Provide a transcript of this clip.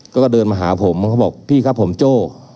ก็เดินมาหาผมเขาบอกพี่ครับผมโจ้